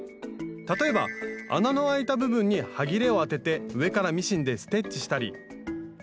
例えば穴のあいた部分にはぎれを当てて上からミシンでステッチしたり。